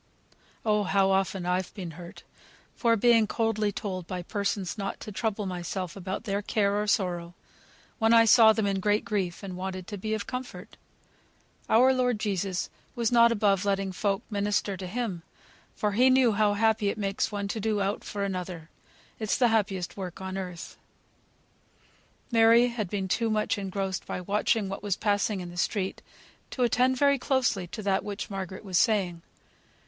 Oh! how often I've been hurt, by being coldly told by persons not to trouble myself about their care, or sorrow, when I saw them in great grief, and wanted to be of comfort. Our Lord Jesus was not above letting folk minister to Him, for He knew how happy it makes one to do aught for another. It's the happiest work on earth." Mary had been too much engrossed by watching what was passing in the street to attend very closely to that which Margaret was saying.